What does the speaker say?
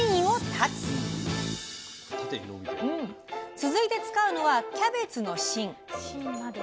続いて使うのはキャベツの芯。